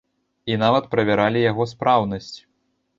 І нават правяралі яго спраўнасць.